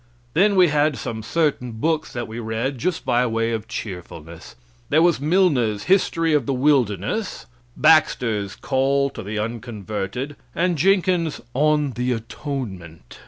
Then we had some certain books that we read just by way of cheerfulness. There was Milner's "History of the Wilderness," Baxter's "Call to the Unconverted," and Jenkins' "On the Atonement."